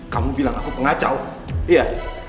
kamu bilang aku pengacau iya